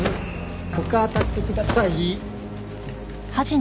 他当たってください。